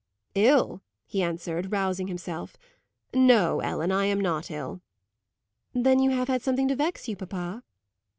"Ill!" he answered, rousing himself. "No, Ellen, I am not ill." "Then you have had something to vex you, papa?"